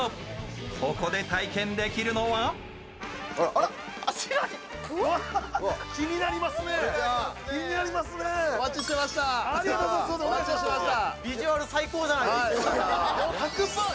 ここで体験できるのはお待ちしておりました。